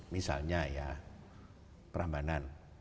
misalnya ya perambanan